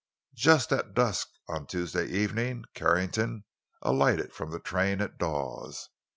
Just at dusk on Tuesday evening Carrington alighted from the train at Dawes.